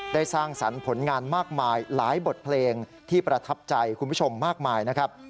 สร้างสรรค์ผลงานมากมายหลายบทเพลงที่ประทับใจคุณผู้ชมมากมายนะครับ